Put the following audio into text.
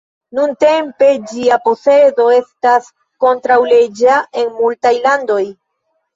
Nuntempe ĝia posedo estas kontraŭleĝa en multaj landoj.